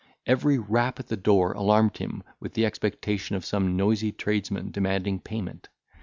Every rap at the door alarmed him with the expectation of some noisy tradesman demanding payment.